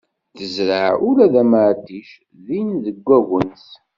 Tezreɛ ula d ameɛṭic din deg agnes.